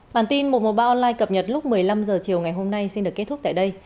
bản tin một trăm một mươi ba online cập nhật lúc một mươi năm h chiều ngày hôm nay xin được kết thúc tại đây